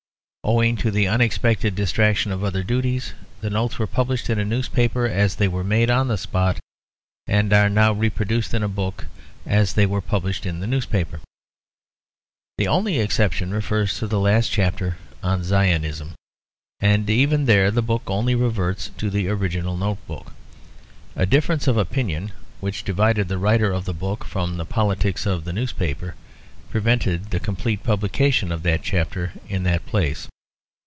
Owing to the unexpected distraction of other duties, the notes were published in a newspaper as they were made on the spot; and are now reproduced in a book as they were published in the newspaper. The only exception refers to the last chapter on Zionism; and even there the book only reverts to the original note book. A difference of opinion, which divided the writer of the book from the politics of the newspaper, prevented the complete publication of that chapter in that place.